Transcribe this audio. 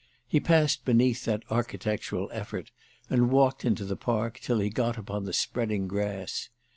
He passed beneath that architectural effort and walked into the Park till he got upon the spreading grass.